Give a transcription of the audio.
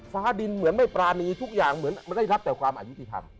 ฟ้าดินเหมือนไม่ปรานีทุกอย่างเหมือนไม่ได้รับแต่ความอายุติธรรม